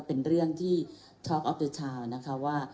เป็นเรื่องที่ฐาร์กอัพเตอร์ชาว